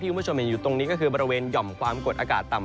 คุณผู้ชมเห็นอยู่ตรงนี้ก็คือบริเวณหย่อมความกดอากาศต่ำ